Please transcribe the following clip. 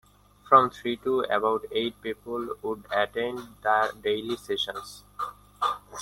From three to about eight people would attend the daily sessions.